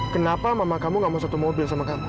kenapa mama kamu gak mau satu mobil sama kamu